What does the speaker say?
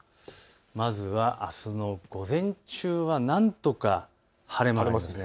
まずはあすの午前中はなんとか晴れます。